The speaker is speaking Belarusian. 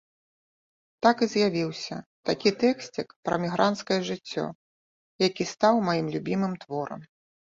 Так і з'явіўся такі тэксцік пра мігранцкае жыццё, які стаў маім любімым творам.